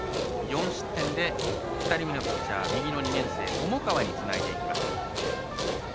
４失点で２人目のピッチャー右の２年生、重川につないでいきました。